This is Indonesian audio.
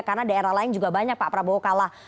karena daerah lain juga banyak pak prabowo kalah